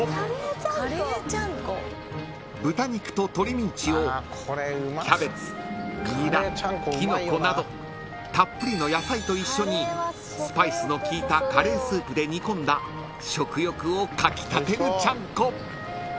［豚肉と鶏ミンチをキャベツニラキノコなどたっぷりの野菜と一緒にスパイスのきいたカレースープで煮込んだ食欲をかき立てるちゃんこ］